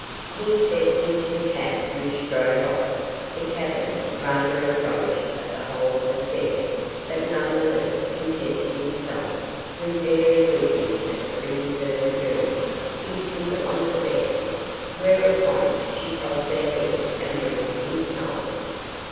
He stepped into the cab which drove off, the cabman rather astonished at the whole affair, but none the less contented himself with merely winking at the pretty servant girl who stood on the steps, whereupon she tossed her head and went inside.